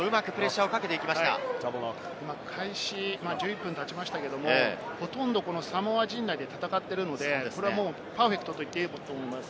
開始１１分経ちましたけれども、ほとんどサモア陣内で戦っているので、これはもうパーフェクトと言っていいと思います。